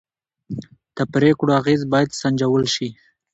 د پرېکړو اغېز باید سنجول شي